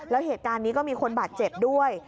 แล้วเหตุการณ์นี้ก็มีคนบาดเจ็บด้วย